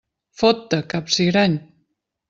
Fot-te, capsigrany!